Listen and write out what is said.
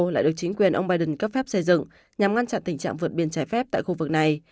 lại được chính quyền ông biden cấp phép xây dựng nhằm ngăn chặn tình trạng vượt biên trái phép tại khu vực này